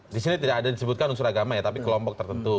di sini tidak ada disebutkan unsur agama ya tapi kelompok tertentu